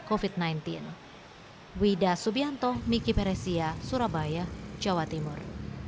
covid sembilan belas wida subianto miki peresia surabaya jawa timur